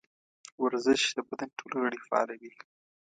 ورزش د بدن ټول غړي فعالوي.